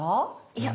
いや。